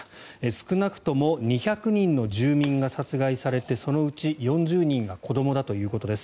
少なくとも２００人の住民が殺害されてそのうち４０人が子どもだということです。